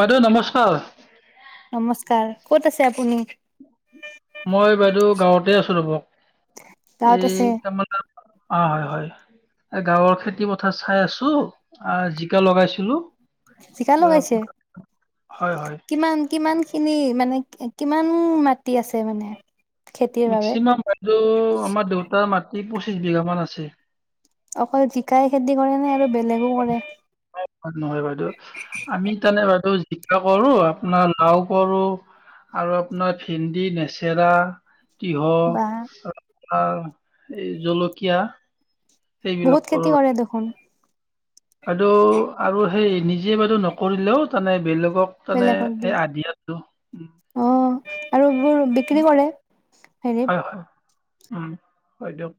বাইদেউ, নমস্কাৰ। নমস্কাৰ ক'ত আছে আপুনি? মই বাইদেউ গাঁৱতে আছো ৰ'ব। গাঁৱত আছে এই কামত অ, হয়- হয়। এ গাঁৱৰ খেতি পথাৰ চাই আছোঁ। আহ, জিকা লগাইছিলোঁ। জিকা লগাইছে, হয় হয় কিমান? কিমান খিনি মানে কিমান, মাটি আছে মানে? খেতিৰ বাবে মেক্সিমাম বাইদেউ আমাৰ দেউতাৰ মাটি পঁচিশ বিঘা মান আছে। অকল জিকাই খেতি কৰে নে আৰু বেলেগ? নহয় বাইদেউ, আমি তানে বাইদেউ জি জিকা কৰোঁ, আপোনাৰ লাও কৰোঁ। আৰু আপোনাৰ ভেন্দি, লেচেৰা, তিহ, বা আ, এই জলকীয়া সেইবিলাক বহুত কৰোঁ খেতি কৰে দেখোন। বাইদেউ আৰু সেই নিজে বাইদেউ নকৰিলেও তেনে বেলেগক তেনে বেলেগক দি এই আদিয়ত দিওঁ অ আৰু এইবোৰ বিক্ৰী কৰে হয় হেৰিত? হয় উম, হয় দিয়ক।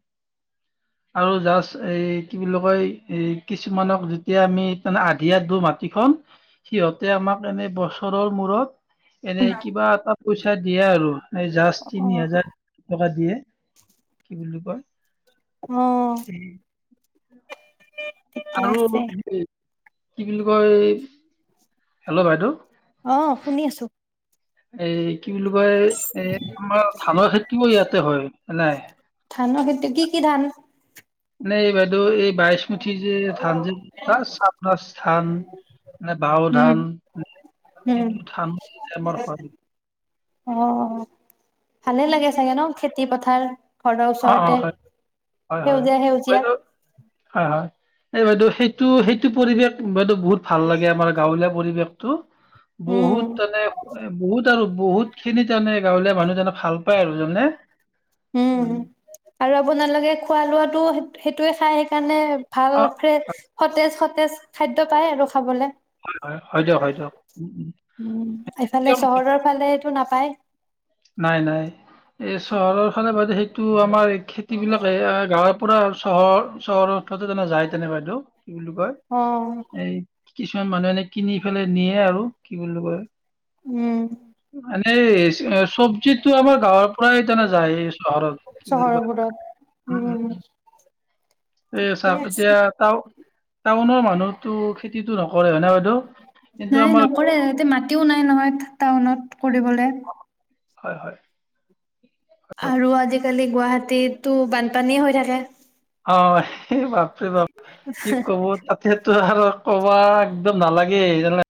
আৰু জাষ্ট এ, কি বুলি কয়, এ কিছুমানক যেতিয়া আমি তাৰমানে আধিয়াত দিওঁ মাটিখন সিহঁতে আমাক এনে বছৰৰ মূৰত এনে কিবা এটা পইচা দিয়ে আৰু। এই অ জাষ্ট তিনি হাজাৰ টকা দিয়ে। কি বুলি কয়? অহ। উম। [inaudible] আৰু আছে অলপ এই কি কয়, এ হেল্ল', বাইদেউ। অ, শুনি আছোঁ। এই কি বুলি কয়, এ আমাৰ ধানৰ খেতিও ইয়াতে হয় নহ। ধানৰ খেতি, কি কি ধান? নাই এই বাইচমুতি যে ধান যে, কিবা চান ৰাইচ ধান। মানে বাও উম ধান, উম সেইটো ধান আমাৰ কৰে। অ, ভালেই লাগে চাগে ন, খেতি পথাৰ। ঘৰৰ অঁ ওচৰতে অঁ হয় হয় হয় সেউজীয়া- সেউজীয়া। বাইদেউ হয়- হয় এই বাইদেউ, সেইটো- সেইটো পৰিৱেশ বাইদেউ বহুত ভাল লাগে আমাৰ গাঁৱলীয়া পৰিৱেশ। উম বহুত মানে বহুত। আৰু বহুত খিনি তাৰমানে গাঁৱলীয়া মানুহ ভাল পায় আৰু। জানে নে? উম, আৰু আপোনালোকে খোৱা লোৱাতটো সেইটোয়ে খাই সেইকাৰণে ভাল অঁ কে সতেজ- সতেজ খাদ্য পায় আৰু খাবলৈ। [inaudible] হয় হয় হয় দিয়ক হয় দিয়ক উম, উম, এইফালে দিয়ক চহৰৰ ফালেটো নাপায়? নাই-নাই। এই চহৰৰ ফালে, সেইটো আমাৰ এই, খেতিবিলাকে গাঁৱৰ পৰা চহৰ, চহৰত [unintelligible] যায়, তেনে বাইদেউ, কি বুলি কয়! অ এই, কিছুমান মানুহে এনেই কিনি পেলাই নিয়ে আৰু। কি বুলি কয়! উম এনেই চব্জিতো আমাৰ গাঁৱৰ পৰাই টানা যায়, চহৰত বুলি কয়। চহৰবোৰত উম, উম। এই ঠিকে চাওঁক? আছে এতিয়া, টাউ-টাউনৰ মানুহ টো খেতিটো নকৰে, হয় নে বাইদেউ? কিন্তু, আমাৰ কৰে। সিহঁতে মা মাটিয়ো নাই নহয়, টাউনত কৰিবলে। হয়, হয়। আৰু আজিকালি, গুৱাহাটীতো বানপানীয়ে হৈ থাকে। অ'! সেই বাপৰে, বাপ! কি ক'ব! তাতেতো আৰু ক'বা একদম নালাগে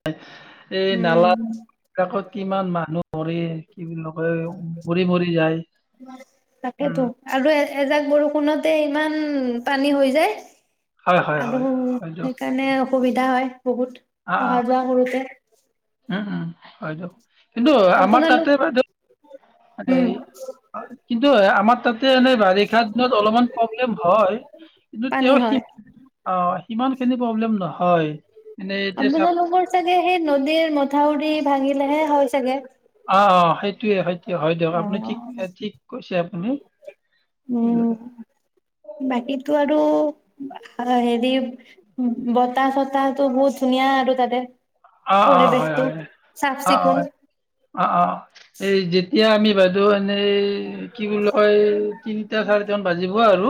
[unintelligible] এই নালা উম বিলাকত কিমান মানুহ। মৰি, কি বুলি [unintelligible] মৰি মৰি যায়। তাকেতো উম! আৰু এজাক বৰষুণতে ইমান পানী হৈ যায়। হয় হয় আৰু হয় হয় সেইকাৰণে, অসুবিধা হয় বহুত! অ'! অহা যোৱা কৰোতে। উম, উম, হয়তো। কিন্তু, আমাৰ তাতে আপোনালোক [unintelligible] তাতে উম এই, কিন্তু, আমাৰ তাতে, এনেই বাৰিষা দিনত অলপমান প্ৰব্লেম হয়। কিন্তু, পানী তেওঁ সি হয়। অ'! সিমান খিনি প্ৰব্লেম নহয়। এনে এতিয়া চাওক আপোনালোকৰ চাগে, সেই নদীৰ মথাউৰি ভাঙিলেহে হয়, চাগে? অ' অ'! সেইটোৱে-সেইটোৱে, হয় দিয়ক। অ আপুনি ঠিক, ঠিক কৈছে আপুনি। উম, বাকীটো আৰু সেৰি উম, বতাহ-চতাহতো বহু ধুনীয়া আৰু তাতে! অ' অ'! হয়, পৰিৱেশটো। হয়! চাফ অ' চিকুণ হয়! অ' অ'! এই, যেতিয়া আমি বাইদেউ এনেই কি বুলি কয়! তিনিটা-চাৰিটামান বাজিব আৰু।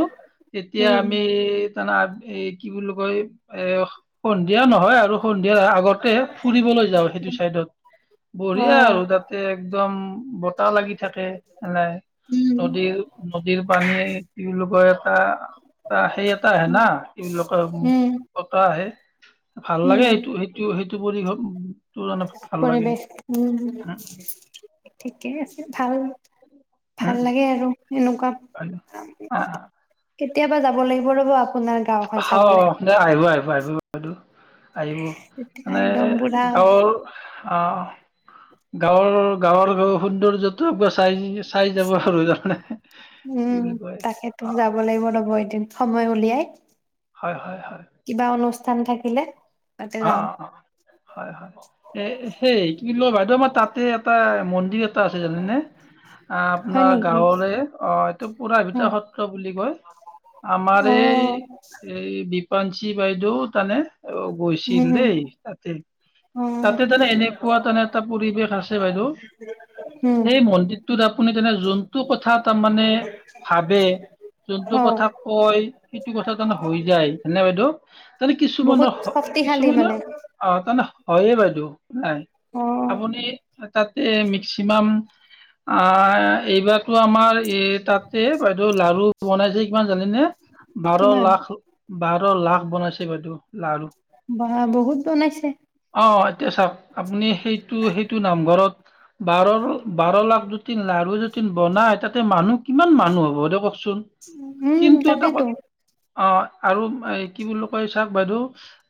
এতিয়া, উম আমি [unintelligible] এই, কি বুলি কয়! এ, সন্ধিয়া নহয় আৰু সন্ধিয়াৰ আগত। তাতে, ফুৰিবলৈ যাওঁ, সেইটো চাইডত। অ বঢ়িয়া আৰু তাতে, একদম বতাহ লাগি থাকে, এনে। উম নদীৰ-নদীৰ পানীয়ে কি বুলি কয়! এটা এটা, সেই এটা আহে না। উম কি বুলি কয়! উম বতাহ আহে, ভাল লাগে। উম সেইটো সেই সেইটো-সেইটো [unintelligible] পৰিৱেশ, উম। ঠিকে আছে, ভাল, উম ভাল লাগে আৰু এনেকুৱা। দে কেতিয়াবা যাব লাগিব, ৰ'ব আপোনাৰ গাঁও। [unintelligible] দে আহিব, আহিব-আহিব [unintelligible] আহিব। তেতিয়া মানে, একদম পুৰা গাঁৱৰ অ'! গাঁৱৰ-গাঁৱৰ সৌন্দৰ্যত [unintelligible] চাই যাব [unintelligible] উম, কয় তাকেতো! অ যাব লাগিব ৰ'ব, এদিন সময় উলিয়াই। হয়, হয়, হয়। কিবা অনুষ্ঠান থাকিলে? তাতে অ' যাম অ' অ'! হয়, হয়! এ সেই, কি বুলি কয়! বাইদেউ আমাৰ তাতে, এটা মন্দিৰ এটা আছে। জানেনে? আহ হয় আপোনাৰ নেকি গাঁৱৰে অহ এইটো অ পুৰাভিতা সত্ৰ বুলি কয়। আমাৰ অ এই এই বিপাঞ্চী বাইদেউ তানে গ উম দেই তাতে, অ তাতে তনে এনেকুৱা তানে এটা পৰিৱেশ আছে বাইদেউ। উম সেই মন্দিৰটোত আপুনি তানে যোনটো কথা তা মানে ভাবে। যোনটো অ কথা কয়, সেইটো কথা তানে হৈ যায়। যানেনে বাইদেউ? তাৰ মানে কিছুমান বহুত হ শক্তিশালী মানে কিছুমানৰ আহ তানে হয়য়ে বাইদেউ। নাই, অ আপুনি তাতে মেক্সিমাম আ এইবাৰ টো আমাৰ এ তাতে বাইদেউ লাৰু বনাইছে কিমান জানেনে? বাৰ কিমান লাখ, বাৰ লাখ বনাইছে বাইদেউ লাৰু। বা বহুত বনাইছে। অহ এতিয়া চাওক, আপুনি সেইটো সেইটো নামঘৰত বাৰ বাৰ লাখ যদি লাৰু যদি বনাই। তাতে মানুহ কিমান মানুহ হ'ব দেউ কওকচোন? উম কিন্তু এটা ক তাকেইতো অহ। আৰু এ কি বুলি কয়, চাওক বাইদেউ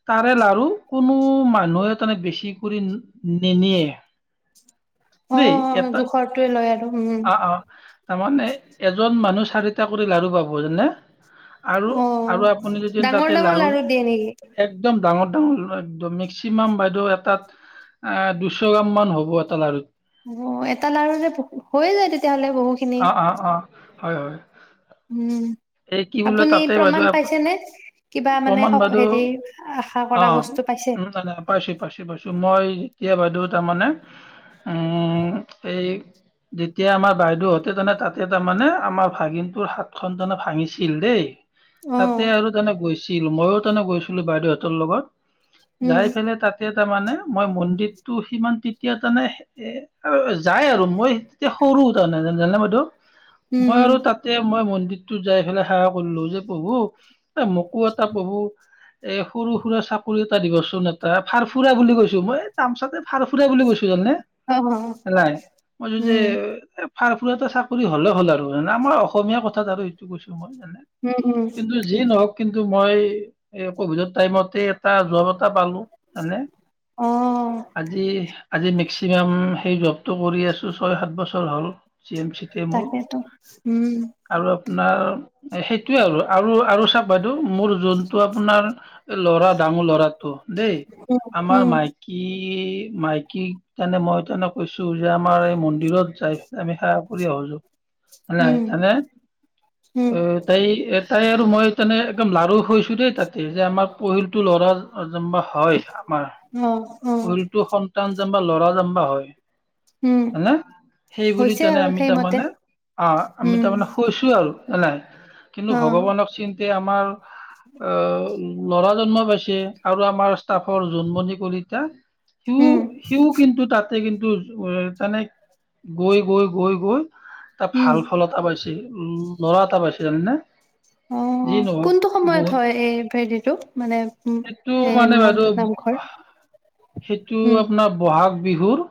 তাৰে লাৰু কোনো মানুহে তাৰ মানে বেছি কৰি নিনিয়ে। অ দেই। এটা জোখৰটোৱে লয় আৰু উম অহ অহ তামানে এজন মানুহ চাৰিটা কৰি লাৰু পাব জানে? আৰু অ আৰু আপুনি যদিন ডাঙৰ তাতে ডাঙৰ লাৰু দিয়ে নেকি? এদম ডাঙৰ ডাঙৰ একদম, মেক্সিমাম বাইদেউ এটাত আ দুশ গ্ৰাম মান হ'ব এটা লাৰুত। অহ এটা লাৰু যে হৈয়ে যায় তেতিয়াহলে বহুখিনি। অ অ অ হয় হয়। উম। এই কি বোলে আপুনি তাতে বাইদেউ প্ৰমাণ আপ- পাইছেনে? কিবা মানে হেৰি আহ অহ। নাই নাই পাইছো পাইছো পাইছো। মই যেতিয়া বাইদেউ তামানে উম, এই যেতিয়া আমাৰ বাইদেউহঁতে তানে তাতে তামানে আমাৰ ভাগিনটোৰ হাত খন তানে ভাঙিছিল দেই। অ তাতে আৰু তেনে গৈছিল। মইও তেনে গৈছিলো, বাইদেউহতৰ লগত। যাই উম পেলাই তাতে তামানে মই মন্দিৰটো সিমান তেতিয়া তানে এ যাই আৰু মই তিয়া সৰু তামানে জানেনে বাইদেউ? উম মই উম আৰু তা তাতে মই মন্দিৰটোত যাই পেলাই সেৱা কৰিলো, যে প্ৰভু, এ মোকো এটা প্ৰভু এ সৰু সুৰা চাকৰি এটা দিবচোন এটাৰ ফাৰ ফুৰা বুলি কৈছো। মই তামচাতে ভাৰ ফুৰা বুলি কৈছো, জানানে? অ অ হলাই। মই যদি উম ফাৰফুৰাটা চাকৰি হ'লে হ'ল আৰু জানা? মই অসমীয়া কথাত আৰু এইটো কৈছো মই জানা? হুম, উম। যি নহওক কিন্তু মই এই কভিডৰ টাইমতে এটা জব এটা পালো। জানে অ। আজি আজি মেক্সিমাম সেই জবটো কৰি আছো ছয় সাত বছৰ হ'ল, জি এম চিত। তাকে ত', উম। আৰু আপোনাৰ সেইটোৱে আৰু আৰু আৰু চাওক বাইদেউ। মোৰ যোনটো আপোনাৰ লৰা ডাঙৰ লৰাটো দেই। উম আমাৰ উম মাই কি মাইকী তানে মই তানে কৈছো যে আমাৰ এই মন্দিৰত যাই, আমি সেৱা কৰি আহো হয় নাই, উম হয় নে? উম এ এই তাই আৰু মই তানে একদম লাৰু হৈছোঁ দেই তাতে, যে আমাৰ পহিলটো ল'ৰা যেনবা হয় আমাৰ, অ অ পহিলতো সন্তান জাম্বা ল'ৰা জাম্বা হয়। উম হেল্ল? সেই বুলি হৈছে তানে আৰু আমি সেইমতে তাৰমানে আ আমি উম তাৰমানে শুইছো আৰু না নাই। কিন্তু অ ভগৱানক চিন্তে আমাৰ আ ল'ৰা জন্ম পাইছে আৰু ষ্টাফৰ জোনমনি কলিতা। সিও উম সিও কিন্তু তাতে কিন্তু তানে গৈ গৈ গৈ গৈ তাক উম ভাল ফল এটা পাইছে, উম ল'ৰা এটা পাইছে জানা নে? অ কোনটো সময়ত হয় এই ক্ৰেডীটো মানে উম সেইটো এ মানে মোৰ পাকঘৰ। বাইদেউ সেইটো আপোনাৰ বহাগ বিহুৰ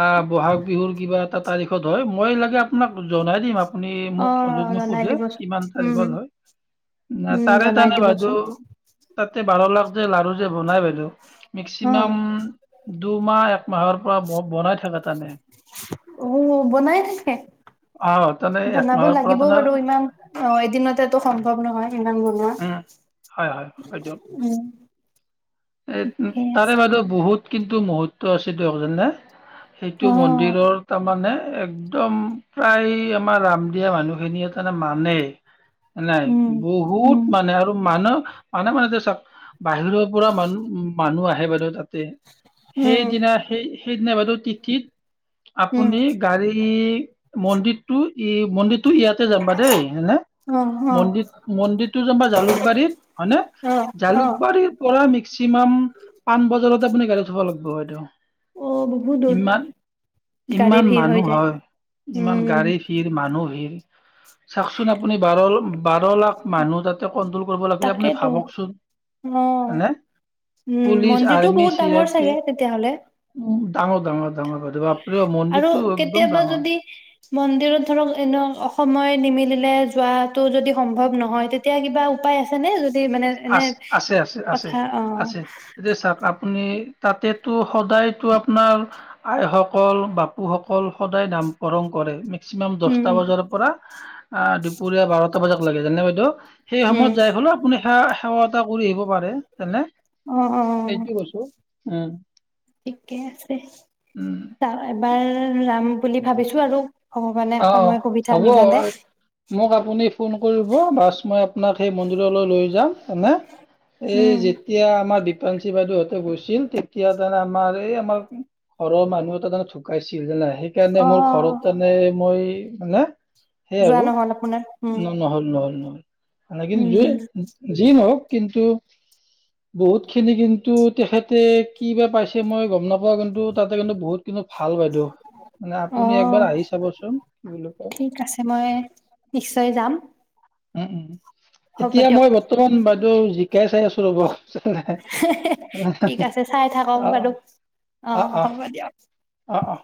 আহ ব'হাগ বিহুৰ কিবা এটা তাৰিখত হয়, মই লাগা আপোনাক জনাই দিম আপুনি অ মোক যদি জনাই সোধে দিবচোন। কিমান উম, তাৰিখত হয়? না উম তাৰে জনাই তানে বাইদো দিবচোন। তাতে বাৰ লাখ যে লাৰু যে বনাই বাইদেউ অ, মেক্সিমাম দুমাহ, একমাহৰ পৰা ব বনাই থাকা তাৰমানে। উম বনাই থাকে। অ তহঁতে বনাব লাগিবও বাৰু ইমান অ এদিনতেতো সম্ভৱ নহয় ইমান বনোৱা। উম হয় হয় হয় দিয়ক উম। এ ঠিকে তাৰে আছে। বাইদেউ বহুত কিন্তু মুহৰ্ত আছে দেও জানে নে? অ, সেইটো মন দিৰৰ তাৰমানে একদম প্ৰায় আমাৰ ৰাম দিয়া মানুহখিনিয়ে তাৰে মানে। [inaudible] নাই বহুত উম, মানে আৰু মানুহ মানুহ মানে তে চাওক বাহিৰৰ পুৰা মান মানুহ আহে বাইদেউ তাতে উম, সেইদিনা তাত সেই সেইদিনা বাইদেউ তিথিত উম, আপুনি গাড়ী মন্দিৰটো ই মন্দিৰটো ইয়াতে যাম বা দেই হয় না? অ, অ, মন্দিৰ মন্দিৰটো যেন বা জালুকবাৰীত হয়নে? অ, অ, জালুকবাৰী পৰা মেক্সিমাম পাণ বজাৰতে আপুনি গাড়ীত থব লাগিব বাইদেউ। অ বহুত দূৰ ইমান গাড়ী ইমান ভিৰ হৈ মানুহ যায়। হয়, ইমান উম, গাড়ী হীৰ মানুহী [inaudible] চাওকচোন আপুনি বাৰ বাৰ লাখ মানুহ তাতে কণ্ট্ৰল কৰিব লাগিলে আপুনি তাকেতো। ভাবকচোন? অ, হয়নে উম পুলিচ মন্দিৰটো আৰ্মি বহুত চি আৰ ডাঙৰ পি চাগে তেতিয়াহলে? উম ডাঙৰ ডাঙৰ ডাঙৰ বাইদেউ আব আৰু কেতিয়াবা যদি মন্দিৰত ধৰক এনে অ সময় নিমিলিলে যোৱাটো যদি সম্ভৱ নহয় তেতিয়া কিবা উপায় আছ ছেনে যদি মানে এনে আছ আছে আছে আছে কথা অ। আছে এতিয়া চাক আপুনি তাতেতো সদায়তো আপোনাৰ আইসকল, বাপুসকল সদায় নামকৰণ কৰে মে ক্সিমাম উম দছটা বজাৰ পৰা আ দুপৰীয়া বাৰটা বজাত লাগে জানে নে বাইদেউ? সেই উম সময়ত যাই হ'লে আপুনি হা সেৱা এটা কৰি আহিব পাৰে জানে অ অ সেইটো কৈছো উম। ঠিকে আছে, উম তাও এবাৰ ৰাম বুলি ভাবিছোঁ আৰু ভগৱানে অ অ, সময় সুবিধা হ'ব মিলালে। মোক আপুনি ফোন কৰিব বাছ মই আপোনাক সেই মন্দিৰলৈ লৈ যাম। না, এই যে উম যেতিয়া আমাৰ দীপাংঞ্চি বাইদেউহঁতে গৈছিল, তেতিয়া তাৰমানে আমাৰ এই আমাৰ ঘৰৰ মানুহ এটা তামানে ঢুকাইছিল জানা, সেইকাৰণে অ মোৰ ঘৰত তানে মই মানে সেইয়ে যোৱা আৰু, নহল আপোনাৰ উম ন নহ'ল নহ'ল নহ'ল উম জুই যি নহওঁক কিন্তু বহুতখিনি কিন্তু তেখেতে কি বা পাইছে মই গম না পাওঁ, কিন্তু তাতে কিন্তু বহুত কিন্তু ভাল বাইদেউ, অ মানে একবাৰ আহি চাবচোন, কি বুলি কয় ঠিক আছে, মই নিশ্চয় যাম। উম উ, হ'ব এতিয়া দিয়ক মই বৰ্তমান বাইদেউ জিকাই চাই আছোঁ ৰ'ব। ঠিক আছে চাই থাকক বাৰু অ [inaudible] হ'ব দিয়ক অ অঁ।